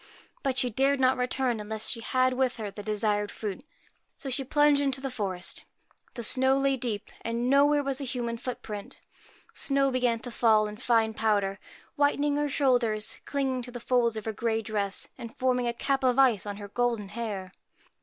But she dared not return unless she had with her the desired fruit. So she plunged into the forest. The snow lay deep, and nowhere was a human footprint. Snow began to fall in fine powder, whitening her shoulders, clinging to the folds of her grey dress, and forming a cap of ice on her golden hair.